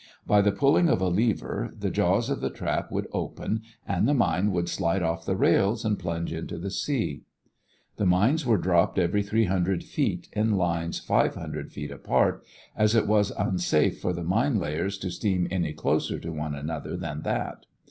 By the pulling of a lever the jaws of the trap would open and the mine would slide off the rails and plunge into the sea. The mines were dropped every three hundred feet in lines five hundred feet apart, as it was unsafe for the mine layers to steam any closer to one another than that.